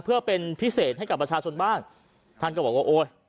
เพื่อเป็นพิเศษให้กับประชาชนบ้างท่านก็บอกว่าโอ้ย